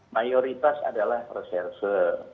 mayoritas adalah reserse